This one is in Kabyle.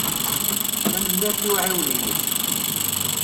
Tanemmirt i uɛiwen-inek.